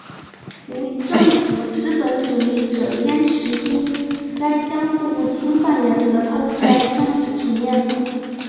无政府资本主义者坚持应该将互不侵犯原则套用在政府层面上。